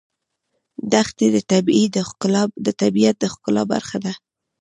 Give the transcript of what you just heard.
دښتې د طبیعت د ښکلا برخه ده.